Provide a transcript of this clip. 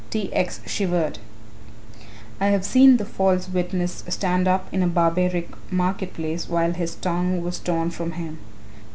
T. X. shivered. "I have seen the false witness stand up in a barbaric market place whilst his tongue was torn from him.